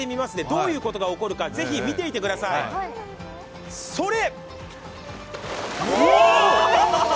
どういうことが起こるか、ぜひ見ていてください、それっ！